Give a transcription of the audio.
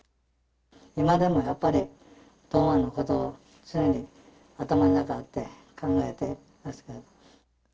今でもやっぱり、冬生のことを常に頭の中で考えてます。